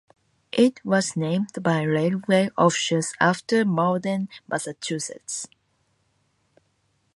It was named by railway officials after Malden, Massachusetts.